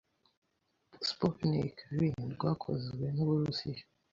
Sputnik V rwakozwe n'Uburusiya.